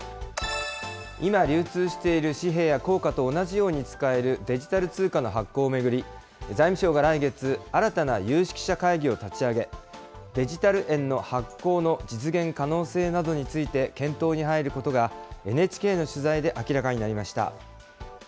今、流通している紙幣や硬貨と同じように使えるデジタル通貨の発行を巡り、財務省が来月、新たな有識者会議を立ち上げ、デジタル円の発行の実現可能性などについて検討に入ることが、ＮＨＫの取材で明らかになりました。